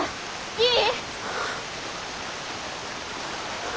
いい？